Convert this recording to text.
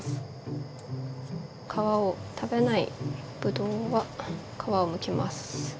皮を食べないぶどうは皮をむきます。